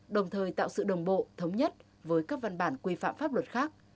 đồng thời tạo sự đồng bộ thống nhất với các văn bản quy phạm pháp luật khác